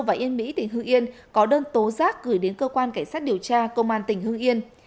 và yên mỹ tỉnh hưng yên có đơn tố giác gửi đến cơ quan cảnh sát điều tra công an tỉnh hưng yên